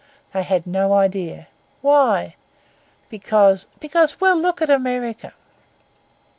They had no idea. Why? Because—because—well, look at America!